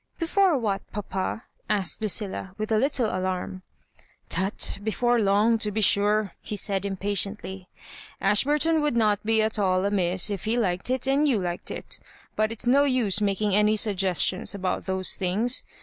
"Before what, papa?" asked Lucilla, with a little alarm. " Tut — before long, to be sure," he said, impa tiently. " Ashburton would not be at all amiss if he liked it and you liked it; but it's no use making any suggestions about those things.